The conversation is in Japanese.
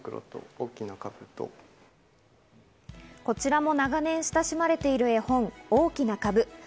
こちらも長年親しまれている絵本『おおきなかぶ』。